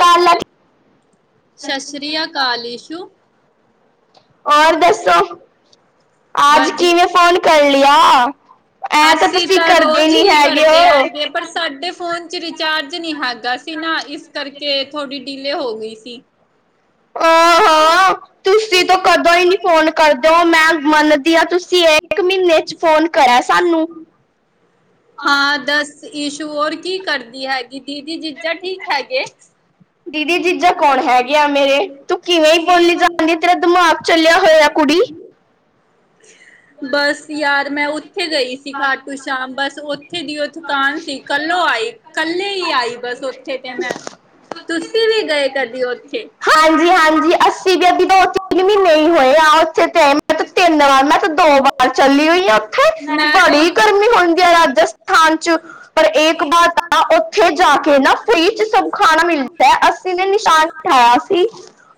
ਕੱਲ ਸਸ਼੍ਰੀਯ ਕਾਲ ਇਸ਼ੂ ਹੋਰ ਦੱਸੋ ਆਜ ਵਧੀ ਕਿਵੇਂ ਫੋਨ ਕਰ ਲਿਆ। ਐ ਤਾਂ ਅਸੀਂ ਤੁਸੀਂ ਕਰਦੇ ਰੋਜ਼ ਨੀ ਹੀ ਹੈਗੇ ਕਰਦੇ ਓ ਹੈਗੇ ਪਰ ਸਾਡੇ ਫੋਨ ਚ ਰਿਚਾਰਜ ਨੀ ਹੈਗਾ ਸੀ ਏਸ ਕਰਕੇ ਥੋੜ੍ਹੀ ਡੀਲੇ ਹੋ ਗਈ ਸੀ। ਓ ਹੋ ਤੁਸੀਂ ਤੋਂ ਕਦੋਂ ਈ ਨੀ ਫੋਨ ਕਰਦੇ ਓ ਮੈਂ ਮੰਨਦੀ ਆ ਤੁਸੀਂ ਇਹ ਮਹੀਨੇ ਚ ਫੋਨ ਕਰਾਂ ਸਾਨੂੰ ਹਾਂ ਦੱਸ ਈਸ਼ੂ ਹੋਰ ਕੀ ਕਰਦੀ ਹੈਗੀ, ਦੀਦੀ -ਜੀਜ਼ਾਂ ਠੀਕ ਹੈਗੇ? ਦੀਦੀ-ਜੀਜਾਂ ਕੌਣ ਹੈਗੇ ਆਂ ਮੇਰੇ? ਤੂੰ ਕਿਵੇਂ ਈ ਬੋਲੀ ਜਾਂਦੀ? ਤੇਰਾ ਦਿਮਾਗ ਚੱਲਿਆ ਹੋਇਆ। ਕੁੜੀ ਬਸ ਯਾਰ ਮੈਂ ਉੱਥੇ ਗਈ ਸੀ। ਘਾਟੂ ਸ਼ਾਮ ਬਸ ਉੱਥੇ ਦੀ ਓ ਥਕਾਨ ਸੀ। ਕੱਲੋਂ ਆਈ ਕੱਲੇ ਈ ਆਈ ਬਸ ਉੱਥੇ ਤੇ ਮੈਂ ਤੁਸੀਂ ਵੀ ਗਏ, ਕਦੀ ਉੱਥੇ ਹਾਂਜੀ-ਹਾਂਜੀ ਅਸੀ ਵੀ ਤਾਂ ਤਿੰਨ ਮਹੀਨੇ ਈ ਹੋਏ ਆ ਉੱਥੇ ਤੇ ਮੈਂ ਤਿੰਨ ਵਾਰ ਮੈਂ ਤੇ ਦੋ ਵਾਰ ਚੱਲੀ ਹੋਈ ਆ ਉੱਥੇ ਮੈਂ ਤਾਂ ਬੜੀ ਗਰਮੀ ਹੋਣੀ ਰਾਜਸਥਾਨ ਚ ਪਰ ਏਕ ਬਾਤ ਉੱਥੇ ਜਾ ਕੇ ਨਾ ਫ੍ਰੀ ਚ ਇੱਕ ਸਭ ਖਾਣਾ ਮਿਲ ਅਸੀ ਨੇ ਨਿਸ਼ਾਨ ਬਿਠਾਇਆ ਸੀ।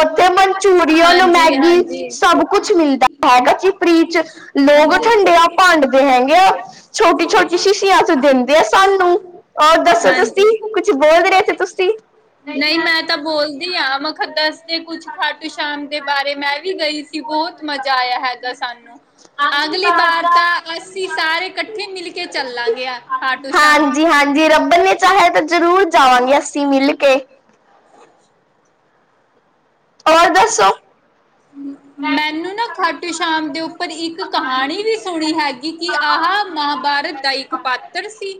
ਉੱਥੇ ਮਨਚੂਰੀਅਨ, ਮੈਗੀ ਸਭ ਕੁਛ ਮਿਲਦਾ ਹੈਗਾ ਜੀ ਫ੍ਰੀ ਚ। ਲੋਕ ਠੰਡਿਆ ਭੰਡਦੇ ਹੈਗੇ ਆ। ਛੋਟੀ ਛੋਟੀ ਸ਼ੀਸ਼ੀਆਂ ਚ ਦਿੰਦੇ ਆ ਸਾਨੂੰ ਔਰ [unintelligible] ਦੱਸੋ ਤੁਸੀਂ ਹਾਜੀ। ਕੁਝ ਬੋਲ ਰਹੇ ਤੇ ਤੁਸੀਂ ਨਈ ਮੈਂ ਤਾਂ ਬੋਲਦੀ ਆ, ਮਖ ਦੱਸ ਦੇ ਕੁਛ ਖਾਟੂ ਸ਼ਾਮ ਦੇ ਬਾਰੇ ਮੈਂ ਵੀ ਗਈ ਸੀ। ਬਹੁਤ ਮਜ਼ਾ ਆਇਆ ਹੈਗਾ, ਸਾਨੂੰ ਅਗਲੀ ਵਾਰ ਤਾਂ ਅਸੀਂ ਸਾਰੇ ਇਕ ਓਥੇ ਮਿਲ ਕੇ ਚੱਲਾਂ ਗਿਆ ਖਾਟੂ ਹਾਂਜੀ ਸ਼ਾਮ ਹਾਂਜੀ ਰੱਬ ਨੇ ਚਾਹਿਆ ਤਾਂ ਜ਼ਰੂਰ ਜਾਵਾਂਗੇ ਅਸੀਂ ਮਿਲ ਕੇ ਹੋਰ ਦੱਸੋ? ਮੈਨੂੰ ਨਾ ਖਾਟੂ ਸ਼ਾਮ ਦੇ ਉੱਪਰ ਇੱਕ ਕਹਾਣੀ ਵੀ ਸੁਣੀ ਹੈਗੀ। ਕਿ ਕੀ ਆਹ ਮਹਾਬਾਰਤ ਦਾ ਇੱਕ ਪਾਤਰ ਸੀ।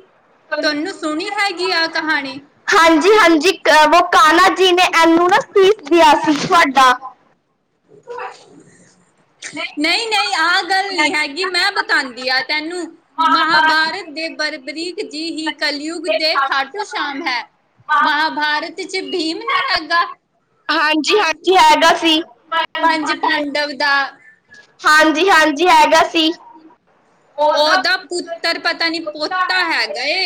ਤੁਆਨੂੰ ਸੁਣੀ ਹੈਗੀ ਆਹ ਕਹਾਣੀ? ਹਾਂਜੀ ਹਾਂਜੀ ਹਾਂਜੀ-ਹਾਂਜੀ। ਉਹ ਕਾਨਾ ਜੀ ਨੇ ਇਹਨੂੰ ਨਾ ਸੀਸ ਦਿਆ ਸੀ ਤੁਹਾਡਾ [unintelligible] ਨਈ-ਨਈ ਆਹ ਗੱਲ ਨੀ ਹੈਗੀ, ਮੈਂ ਬਿਤਾਦੀ ਆ ਤੈਨੂੰ ਮਹਾਬਾਰਤ ਦੇ ਬਰਬਰੀਕ ਜੀ ਹੀ ਕਲਯੁਗ ਦੇ ਖਾਟੂ ਸ਼ਾਮ ਹੈ। ਮਹਾਬਾਰਤ ਚ ਬੀਮ ਨੀ ਹੈਗਾ। ਹਾਂਜੀ-ਹਾਂਜੀ ਹੈਗਾ ਸੀ। ਦਵਦਾ ਹਾਂਜੀ-ਹਾਂਜੀ ਹੈਗਾ ਸੀ। ਓਦਾ ਪੁੱਤਰ ਪਤਾ ਨੀ ਪੋਤਾ ਹੈਗਾ ਏ।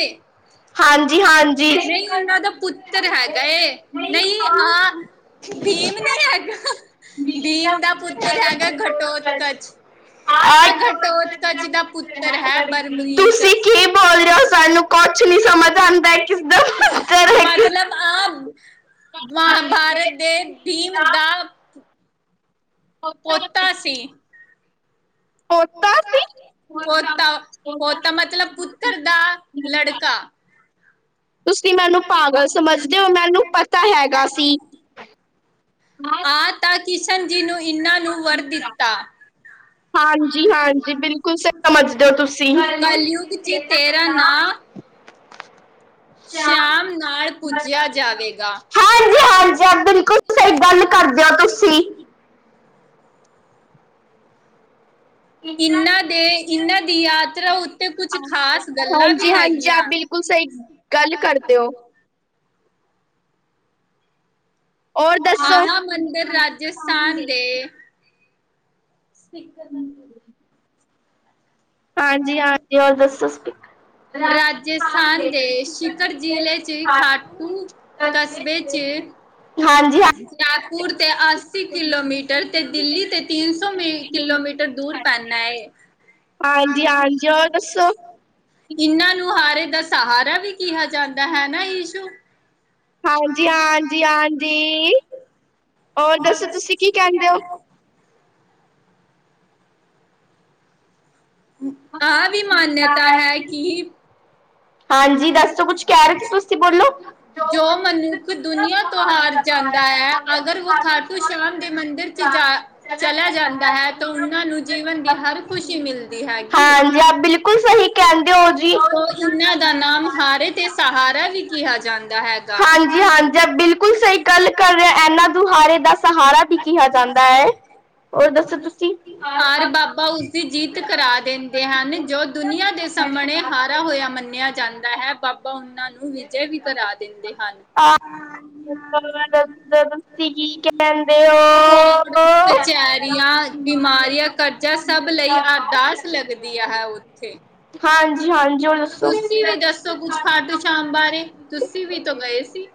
ਹਾਂਜੀ ਨਈ ਉਨਾਂ ਦਾ ਪੁੱਤਰ ਹੈਗਾ ਏ ਨਈ ਆ ਬੀਮ ਨੀ ਹੈਗਾ, ਬੀਮ ਦਾ ਪੁੱਤਰ ਹੈਗਾ ਗਟੋਤਕਚ। ਆ ਗਟੋਤਕਚ ਦਾ ਪੁੱਤਰ ਹੈ ਬਰਬਰੀਕ ਤੁਸੀਂ ਕੀ ਬੋਲ ਰੇ ਓ? ਸਾਨੂੰ ਕੁਛ ਨੀ ਸਮਝ ਆਉਂਦਾ ਕਿਸਦਾ ਪੁੱਤਰ ਹੈ ਕਿਸ ਮਤਲਬ ਆਬ ਮਹਾਬਾਰਤ ਦੇ ਭੀਮ ਦਾ ਪੋਤਾ ਸੀ। ਪੋਤਾ ਸੀ ਪੋਤਾ, ਪੋਤਾ ਮਤਲਬ ਪੁੱਤਰ ਦਾ ਲੜਕਾ। ਤੁਸੀਂ ਮੈਨੂੰ ਪਾਗਲ ਸਮਝਦੇ ਹੋ, ਮੈਨੂੰ ਪਤਾ ਹੈਗਾ ਸੀ। ਬਾਏ। ਆ ਤਾਂ ਕਿਸ਼ਨ ਜੀ ਨੂੰ ਇਹਨਾਂ ਨੂੰ ਵਰ ਦਿੱਤਾ। ਹਾਂਜੀ ਹਾਂਜੀ, ਬਿਲਕੁਲ ਸਹੀ ਸਮਝਦੇ ਔ ਤੁਸੀਂ। ਕਲਯੁਗ ਚ ਤੇਰਾ ਨਾਂ ਸ਼ਾਮ ਨਾਲ ਪੂਜਿਆ ਜਾਵੇਗਾ। ਹਾਂਜੀ, ਹਾਂਜੀ ਬਿਲਕੁਲ। ਸਹੀ ਗੱਲ ਕਰਦੇ ਹੋ ਤੁਸੀਂ। ਇਹਨਾਂ ਦੇ ਇਹਨਾਂ ਦੀ ਯਾਤਰਾ ਉੱਤੇ ਕੁਛ ਖ਼ਾਸ ਗੱਲਾਂ ਵੀ ਹੈਗੀਆਂ। ਬਿਲਕੁਲ ਸਹੀ ਗੱਲ ਕਰਦੇ ਹੋ। ਹੋਰ ਦੱਸੋ ਆਹ ਮੰਦਿਰ ਰਾਜਸਥਾਨ ਦੇ ਸਪੀਕਰ ਬਣਦੇ। ਹਾਂਜੀ, ਹਾਂਜੀ ਹੋਰ ਦੱਸੋ? ਰਾਜਸਥਾਨ ਦੇ ਸ਼ਿਖਰ ਜ਼ਿਲ੍ਹੇ ਚ ਖਾਟੂ ਕਸਬੇ 'ਚ ਹਾਂਜੀ ਹਾਂ ਜੈਪੁਰ ਤੇ ਅੱਸੀ ਕਿਲੋਮੀਟਰ ਤੇ ਦਿੱਲੀ ਤੇ ਤਿੰਨ ਸੌ ਮ ਕਿਲੋਮੀਟਰ ਦੂਰ ਪੈਂਦਾ ਹੈ। ਹਾਂਜੀ, ਹਾਂਜੀ ਹੋਰ ਦੱਸੋ? ਇਹਨਾਂ ਨੂੰਹਾਰੇ ਦਾ ਸਹਾਰਾ ਵੀ ਕਿਹਾ ਜਾਂਦਾ ਹੈ ਨਾ ਇਸ਼ੂ ਹਾਂਜੀ, ਹਾਂਜੀ, ਹਾਂਜੀ ਹੋਰ ਦੱਸੋ ਤੁਸੀਂ ਕੀ ਕਹਿੰਦੇ ਹੋ? ਆਹ ਵੀ ਮਾਨਯਤਾ ਹੈ, ਕਿ ਹਾਂਜੀ ਦੱਸੋ ਕੁਛ ਕਹਿ ਰਹੇ ਸੀ ਤੁਸੀਂ ਬੋਲੋ ਜੋ ਮਨੁੱਖ ਦੁਨੀਆਂ ਤੋਂ ਹਾਰ ਜਾਂਦਾ ਐ। ਅਗਰ ਵੋ ਖਾਟੂ ਸ਼ਾਮ ਦੇ ਮੰਦਿਰ ਚ ਜਾ ਚਲਿਆ ਜਾਂਦਾ ਹੈ, ਤਾਂ ਉਹਨਾਂ ਨੂੰ ਜੀਵਨ ਦੀ ਹਰ ਖ਼ੁਸ਼ੀ ਮਿਲਦੀ ਹੈਗੀ, ਹਾਂਜੀ ਆਪ ਬਿਲਕੁਲ ਸਹੀ ਕਹਿੰਦੇ ਹੋ ਜੀ। ਤੋ ਇਨਾ ਦਾ ਨਾਮ ਹਾਰੇ ਤੇ ਸਹਾਰਾ ਵੀ ਕਿਹਾ ਜਾਂਦਾ ਹੈਗਾ। ਹਾਂਜੀ ਹਾਂਜੀ ਆਪ ਬਿਲਕੁਲ ਗੱਲ ਕਰ ਰੇ ਐਨਾਂ ਦੁਹਾਰੇ ਦਾ ਸਹਾਰਾ ਵੀ ਕਿਹਾ ਜਾਂਦਾ ਐ। ਹਰ ਬਾਬਾ ਉਸਦੀ ਜੀਤ ਕਰਾ ਦੇੰਦੇ ਹਨ ਜੋ ਦੁਨੀਆਂ ਦੇ ਸਮਣੇ ਹਾਰਾ ਹੋਯਾ ਮੰਨਿਆ ਜਾਂਦਾ ਹੈ, ਬਾਬਾ ਉਹਨਾਂ ਨੂੰ ਵਿਜੇ ਵੀ ਕਰਾ ਦਿੰਦੇ ਹਨ। ਆ ਦੱਸੋ ਤੁਸੀਂ ਕੀ ਕੈੰਦੇ ਔ? ਕੋਡ ਕਚੈਰੀਆਂ, ਬਿਮਾਰੀਆਂ, ਕਰਜ਼ਾ ਸਭ ਲਈ ਅਰਦਾਸ ਲੱਗਦੀਆਂ ਹੈ, ਉ ਉਥੇ। ਹਾਂਜੀ, ਹਾਂ। ਜੋਰ ਦੱਸੋ। ਤੁਸੀਂ ਵੀ ਦੱਸੋ ਕੁਛ ਖਾਟੂ-ਸ਼ਾਮ ਬਾਰੇ, ਤੁਸੀਂ ਵੀ ਤੋਂ ਗਏ ਸੀ।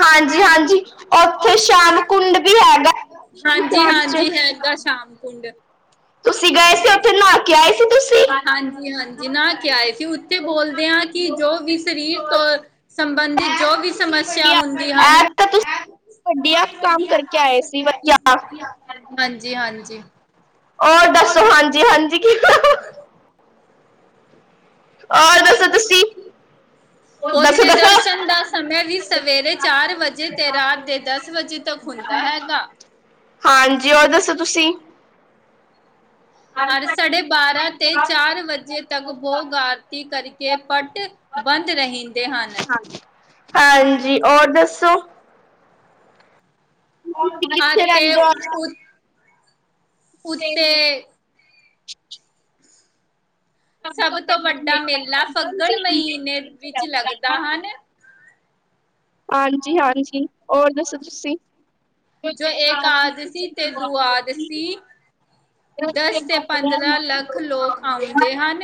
ਹਾਂਜੀ, ਹਾਂਜੀ। ਓਥੇ ਸ਼ਾਮ ਕੁੰਡ ਵੀ ਹੈਗਾ, ਹਾਂਜੀ ਸ਼ਾਮ ਚ। ਹਾਂਜੀ ਹੈਗਾ ਸ਼ਾਮ ਕੁੰਡ ਤੁਸੀਂ ਗਏ ਸੀ, ਓਥੇ ਨਾ ਕੇ ਆਏ ਸੀ ਤੁਸੀਂ? ਜੀ ਹਾਂਜੀ ਨਹਾ ਕੇ ਆਏ ਸੀ, ਉ ਤੇ ਬੋਲਦੇ ਆਂ ਕਿ ਜੋ ਵੀ ਸਰੀਰ ਤੋਂ ਸੰਬੰਧਿਤ ਜੋ ਵੀ ਸਮੱਸਿਆ ਹੁੰਦੀ ਹਨ ਐ ਤਾਂ ਤੁਸੀਂ ਵਧੀਆ ਕਾਮ ਕਰਕੇ ਆਏ ਸੀ, ਵਧੀਆ। ਹਾਂਜੀ, ਹਾਂਜੀ। ਔਰ ਦੱਸੋ, ਹਾਂਜੀ ਹਾਂਜੀ ਕੀ [unintelligible] ਤੁਸੀਂ ਦੱਸੋ ਓਥੇ ਦੱਸੋ ਦਰਸ਼ਨ ਦਾ ਸਮੈ ਵੀ ਸਵੇਰੇ ਚਾਰ ਵਜੇ ਤੇ ਰਾਤ ਦੇ ਦਸ ਵਜੇ ਤਕ ਹੁੰਦਾ ਹੈਗਾ। ਹਾਂਜੀ, ਹੋਰ ਦੱਸੋ ਤੁਸੀਂ? ਹਰ ਸਾਡੇ ਬਾਰਾਂ ਤੇ ਚਾਰ ਵਜੇ ਤੱਕ ਬੋਗ ਆਰਤੀ ਕਰਕੇ ਪੱਟ ਬੰਦ ਰਹਿੰਦੇ ਹਨ। ਹਾਂਜੀ ਔਰ ਦੱਸੋ ਆ ਤੇ ਉੱਤੇ ਸਭ ਤੋਂ ਵੱਡਾ ਮੇਲਾ ਫੱਗਣ ਮਹੀਨੇ ਵਿੱਚ ਲੱਗਦਾ ਹਨ। ਹਾਂਜੀ- ਹਾਂਜੀ ਹੋਰ ਦੱਸੋ ਤੁਸੀਂ। ਜੋ ਇਕਾਦਸ਼ੀ ਤੇ ਦੁਆਦਸੀ, ਦੱਸ ਤੇ ਪੰਦਰਾਂ ਲੱਖ ਲੋਕ ਆਉਂਦੇ ਹਨ।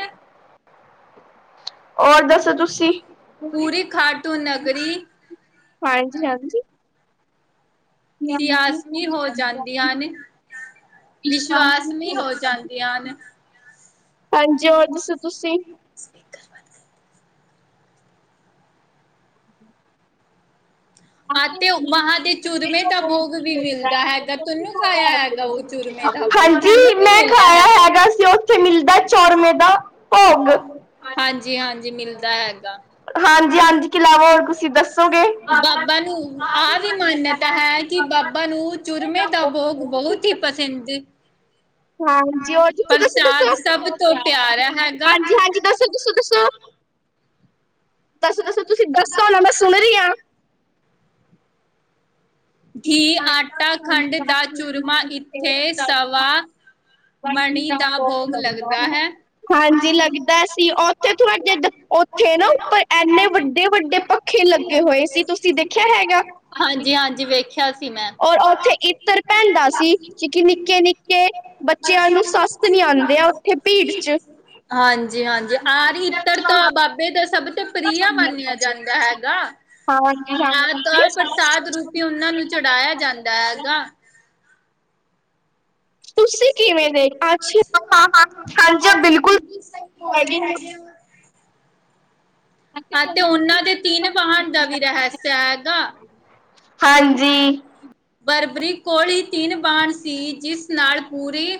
ਹੋਰ ਦੱਸੋ ਤੁਸੀਂ? ਪੂਰੀ ਖਾਟੂ ਨਗਰੀ ਹਾਂਜੀ -ਹਾਂਜੀ। ਸਿਆਸਣੀ ਹੋ ਜਾਂਦੀਆਂ ਨੇ। ਵਿਸ਼ਵਾਸਮੀ ਹੋ ਜਾਂਦੀਆਂ ਨੇ। ਹਾਂਜੀ, ਹੋਰ ਦੱਸੋ ਤੁਸੀਂ? ਸਪੀਕਰ ਬੰਦ ਕਰ। [inaudible] ਆਤੇ ਬਾਹਾਂਦ ਵਿਚ ਚੂਰਮੇ ਦਾ ਭੋਗ ਵੀ ਮਿਲਦਾ ਹੈਗਾ, ਤੁਨੂੰ ਖਾਇਆ ਹੈਗਾ ਉਹ ਚੁਰਮੇ ਦਾ ਬੋਗ, ਹਾਂਜੀ ਸਾਨੂੰ ਵੀ ਮੈਂ ਮਿਲਿਆ ਖਾਇਆ ਹੈਗਾ। ਸੀ ਉੱਥੇ ਮਿਲਦਾ ਚੌਰਮੇ ਦਾ ਭੋਗ ਹਾਂਜੀ-ਹਾਂਜੀ, ਮਿਲਦਾ ਹੈਗਾ। ਹਾਂਜੀ- ਹਾਂਜੀ ਕੀ ਲਾਵਾ, ਹੋਰ ਤੁਸੀਂ ਦੱਸੋਗੇ? ਬਾ ਨੂੰ ਆਹ ਵੀ ਮਾਨਯਤਾ ਹੈ, ਕਿ ਬਾਬਾ ਨੂੰ ਚੂਰਮੇ ਦਾ ਬੋਗ ਬਹੁਤ ਹੀ ਪਸਿੰਦ [inaudible] ਹਾਂਜੀ! ਉਹ ਜਥ ਤੁਸੀ ਦੋ ਤੋਂ ਪਿਆਰਾ ਹੈਗਾ। ਹਾਂਜੀ- ਹਾਂਜੀ ਦੱਸੋ -ਦੱਸੋ- ਦੱਸੋ- ਦੱਸੋ -ਦੱਸੋ ਤੁਸੀਂ ਦੱਸੋ ਨਾ ਮੈਂ ਸੁਣ ਰਹੀ ਹਾਂ। ਘੀ, ਆਟਾ, ਖੰਡ ਦਾ ਚੂਰਮਾ ਇੱਥੇ ਸਵਾ ਮਣੀ ਦਾ ਭੋਗ ਲੱਗਦਾ ਹੈ। ਹਾਂਜੀ ਲੱਗਦਾ ਸੀ। ਉੱਥੇ ਤੁਹਾਡੇ ਉਥੇ ਉੱਥੇ ਨਾ ਓਪਰ ਇੰਨੇ ਵੱਡੇ- ਵੱਡੇ ਹਾਂਜੀ- ਹਾਂਜੀ ਵੇਖਿਆ। ਸੀ ਮੈਂ। ਔਰ ਉੱਥੇ ਇੱਤਰ ਪੈਣਦਾ ਸੀ, ਕਿ ਨਿੱਕੇ- ਨਿੱਕੇ ਬੱਚਿਆਂ ਨੂੰ ਸੱਸ ਹਾਂਜੀ- ਹਾਂਜੀ ਆਰ ਇਤਰ ਤਾਂ ਬਾਬੇ ਦਾ ਸਭ। ਤੇ ਪ੍ਰਿਆ ਮੰਨਿਆ ਜਾਂਦਾ ਹੈਗਾ। ਆ ਤਾਂ ਪ੍ਰਸਾਦ ਰੂਪ। ਵੀ ਉਹਨਾਂ ਨੂੰ ਚੜਾਇਆ ਜਾਂਦਾ ਹੈਗਾ। ਤੁਸੀਂ ਕਿਵੇ ਹਾਂ- ਹਾਂ ਹਾਂਜੀ ਬਿਲਕੁ ਸਹੀ ਬੋਲ ਰਹੇ ਹੈਗੇ। ਅਤੇ ਉਹਨਾਂ ਦੇ ਤਿੰਨ ਵਾਹਨ ਦਾ ਵੀ ਰਹੱਸਾ ਹੈਗਾ। ਹਾਂਜੀ ਬਰਬਰੀਕ। ਕੋਲੀ ਤਿੰਨ ਬਾਹਣ ਸੀ ਜਿਸ ਨਾਲ ਪੂਰੀ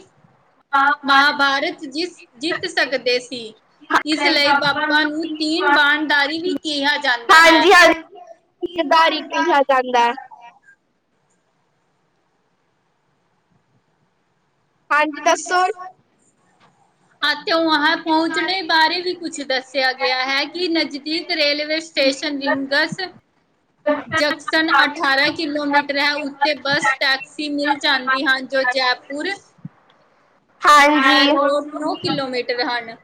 ਮਹਾਭਾਰਤ ਜਿਸ ਜਿੱਤ ਸਕਦੇ ਸੀ। ਇਸ ਲਈ ਬਾਬਾ ਨੂੰ ਤੀਨ ਵਾਨਦਾਰੀ ਵੀ ਕਿਹਾ। ਜਾਂਦਾ ਹਾਂਜੀ ਹਾਂ ਹੈ। ਗਾੜੀ ਕਿਹਾ ਜਾਂਦਾ ਹੈ ਹਾਂਜੀ ਦੱਸੋ। ਅਤੇ ਵਾਹਾ ਪਹੁੰਚਣੇ ਬਾਰੇ ਵੀ ਕੁਛ ਦੱਸਿਆ ਗਿਆ ਹੈ। ਕਿ ਨਜ਼ਦੀਕ ਰੇਲਵੇ ਸਟੇਸ਼ਨ ਰਿੰਗਸ ਜੰਕਸ਼ਨ ਅਠਾਰਾਂ ਕਿਲੋਮੀਟਰ ਹੈ। ਤੇ ਬੱਸ, ਟੈਕਸੀ ਮਿਲ ਜਾਂਦੀ ਹਨ। ਜੋ ਜੈਪੁਰ ਹਾਂਜੀ ਐਰਪੋਰਟ ਨੋ ਕਿਲੋਮੀਟਰ ਹਨ।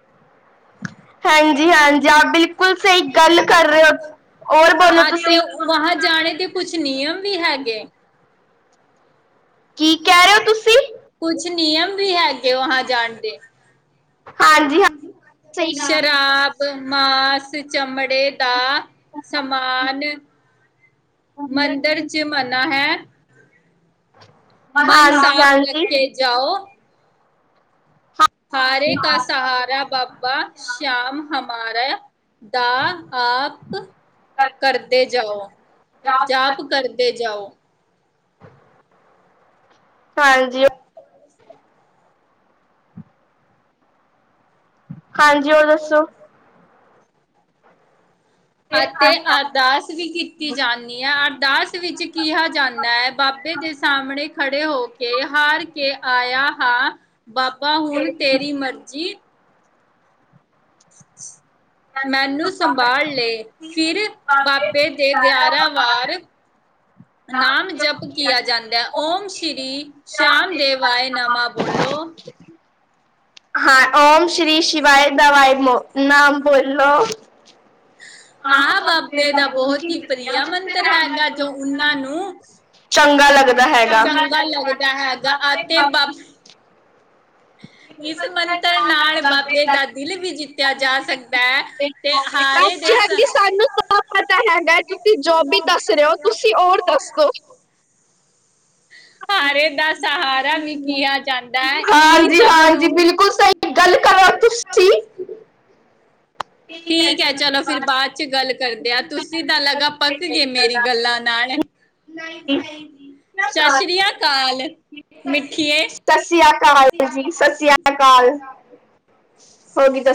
ਹਾਂਜੀ -ਹਾਂਜੀ ਆਪ ਬਿਲਕੁਲ ਸਹੀ ਗੱਲ ਕਰ ਰਹੇ ਹੋ। ਹੋਰ ਬੋਲੋ ਤੁਸੀਂ। ਵਾਹ ਜਾਣੇ ਦੇ ਕੁੱਛ ਨਿਯਮ ਵੀ ਹੈਗੇ। ਕੀ ਕਹਿ ਰਹੇ ਹੋ ਤੁਸੀਂ ਕੁਛ ਨਿਯਮ ਵੀ ਹੈਗੇ ਵਾਹਾਂ ਜਾਣ ਦੇ। ਹਾਂਜੀ ਹ ਸ਼ਰਾਬ, ਮਾਸ, ਚਮੜੇ ਦਾ ਸਮਾਨ ਮੰਦਿਰ ਚ ਮਨਾ ਹੈ। ਹਾਂਜੀ- ਹਾਂਜੀ। ਜਾਓ। ਹਾਰੇ ਕਾ ਸਹਾਰਾ ਬਪ। ਵਾਹ ਸ਼ਾਮ ਹਮਾਰਾ ਦਾ ਆਪ। ਕਰਦੇ ਜਾਓ ਜਾਪ ਕਰਦੇ ਜਾਓ। ਹਾਂਜੀ। ਹਮ। [inaudible] ਹਾਂਜੀ ਹੋਰ ਦੱਸੋ। ਅਤੇ ਅ। ਅਰਦਾਸ ਵੀ ਕੀਤੀ ਜਾਂਦੀ ਹੈ, ਅਰਦਾਸ ਵਿੱਚ ਕਿਹਾ ਜਾਂਦਾ ਹੈ ਬਾਬੇ ਦੇ ਸਾਹਮਣੇ ਖੜ੍ਹੇ ਹੋ ਕੇ। ਕੇ ਹਾਰ ਕੇ ਆਇਆ ਹਾਂ ਬਾਬਾ ਹੁਣ ਤੇਰੀ ਮਰਜ਼ੀ। [unintelligible] ਮੈਨੂੰ ਸੰਭਾਲ ਲਏ। ਫਿਰ ਬਾਬੇ ਦੇ ਗਿਆਰਾਂ ਵਾਰ ਨਾਮ ਜਪਕਿਆ ਜਾਂਦਾ ਹੈ ਓਮ ਸ਼੍ਰੀ ਸ਼ਆਮ ਦੇਵ ਆਏ ਨਮਾ ਬੋਲੋ [unintelligible] ਹਾਂ ਓਮ ਸ਼੍ਰੀ ਸ਼ਿਵਾਏ ਦਵਾਈ ਮ ਨਾਮ ਬੋਲੋ ਆਹ ਬਾਬੇ ਦਾ ਬਹੁਤ ਹੀ ਪ੍ਰੀਆ ਮੰਤਰ ਹੈਗਾ ਜੋ ਉਹਨਾਂ ਨੂੰ ਚੰਗਾ ਲੱਗਦਾ ਹੈਗਾ -ਚੰਗਾ ਲੱਗਦਾ ਹੈਗਾ ਅਤੇ ਬ ਇਸ ਮੰਤਰ ਨਾਲ ਬਾਬੇ ਦਾ ਦਿਲ ਵੀ ਜਿੱਤਿਆ ਜਾ ਸਕਦਾ ਹੈ। ਤੇ ਹਾਰੇ ਦੇ ਹਾਂਜੀ ਸ -ਹਾਂਜੀ ਸਾਨੂੰ ਤਾਂ ਪਤਾ ਹੈਗਾ। ਤੁਸੀਂ ਜੋ ਵੀ ਦੱਸ ਰਹੇ ਹੋ। ਤੁਸੀਂ ਔਰ ਦੱਸੋ ਹਾਰੇ ਦਾ ਸਹਾਰਾ ਵੀ ਕਿਹਾ ਜਾਂਦਾ ਹੈ। ਕੀ ਹਾਂਜੀ ਹਾਂਜੀ ਬਿਲਕੁਲ ਸਹੀ ਗੱਲ ਕਰਾਂ ਤੁਸੀਂ ਠੀਕ ਹੈ। ਚਲੋ ਫਿਰ ਬਾਅਦ ਚ ਗੱਲ ਕਰਦੇ ਆ ਤੁਸੀਂ ਤਾਂ ਲਗਾ ਪੱਕ ਗਏ ਮੇਰੀ ਗੱਲਾਂ ਨਾਲ ਸਤਿ ਸ੍ਰੀ ਅਕਾਲ। ਮਿੱਠੀਏ। ਸਤਿ ਸ੍ਰੀ ਅਕਾਲ ਜੀ, ਸਤਿ ਸ੍ਰੀ ਅਕਾਲ। ਹੋਗੀ ਤਾਂ।